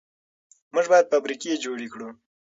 موږ باید فابریکې جوړې کړو.